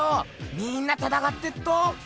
みんなたたかってっと。